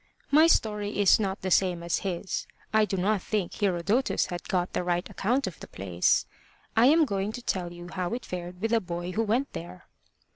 My story is not the same as his. I do not think Herodotus had got the right account of the place. I am going to tell you how it fared with a boy who went there.